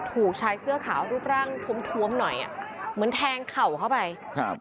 ถูกชายเสื้อขาวรูปร่างทวมทวมหน่อยอ่ะเหมือนแทงเข่าเข้าไปครับ